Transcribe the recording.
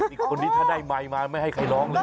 อีกคนนี้ถ้าได้ไมค์มาไม่ให้ใครร้องเลย